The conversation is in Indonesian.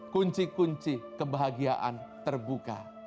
kunci kunci kebahagiaan terbuka